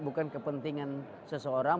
bukan kepentingan seseorang